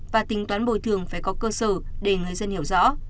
và tính toán bồi thường phải có cơ sở để người dân hiểu rõ